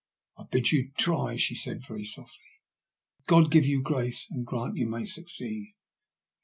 " I bid you try," she said very softly. " God give you grace, and grant you may succeed."